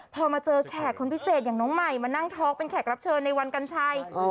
พอมาเจอแขกคนพิเศษอย่างน้องใหม่มานั่งท็อกเป็นแขกรับเชิญในวันกัญชัย